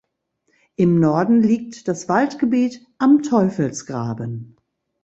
Im Norden liegt das Waldgebiet Am Teufelsgraben.